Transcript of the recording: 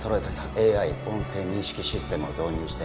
ＡＩ 音声認識システムを導入して